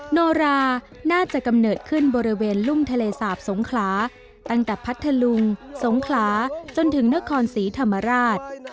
โนราน่าจะกำเนิดขึ้นบริเวณลุ่มทะเลสาบสงขลาตั้งแต่พัทธลุงสงขลาจนถึงนครศรีธรรมราช